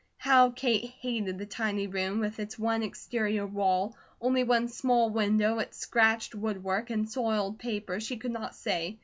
How Kate hated the tiny room with its one exterior wall, only one small window, its scratched woodwork, and soiled paper, she could not say.